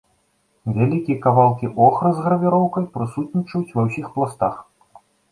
Вялікія кавалкі охры з гравіроўкай прысутнічаюць ва ўсіх пластах.